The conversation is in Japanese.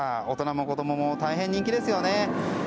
大人からも子供からも大変、人気ですよね。